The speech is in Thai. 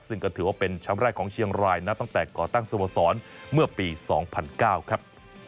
ซึ่งก็ถือว่าเป็นแชมป์แรกของเชียงรายนะตั้งแต่ก่อตั้งสโมสรเมื่อปี๒๐๐๙ครับ